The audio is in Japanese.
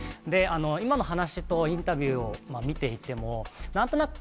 今の話とインタビューを見ていても、なんとなく、